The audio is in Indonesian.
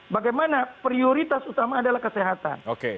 bagaimana prioritas utama adalah kesehatan